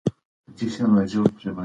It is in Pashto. ولې تاریخي کرکټرونه افراطي مینه وال لري؟